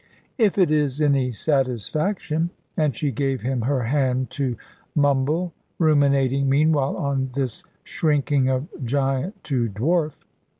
"If it is any satisfaction"; and she gave him her hand to mumble, ruminating meanwhile on this shrinking of giant to dwarf.